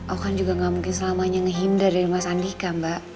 aku kan juga gak mungkin selamanya ngehindar dari mas andika mbak